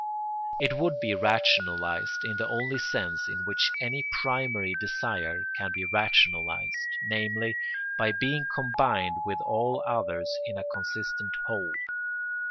It would be rationalised in the only sense in which any primary desire can be rationalised, namely, by being combined with all others in a consistent whole.